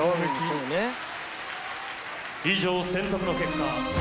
以上選択の結果。